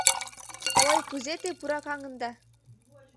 Ой, кузе те пуракаҥында!